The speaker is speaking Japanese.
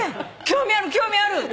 興味ある興味ある！